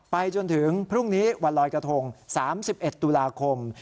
จนถึงพรุ่งนี้วันลอยกระทง๓๑ตุลาคม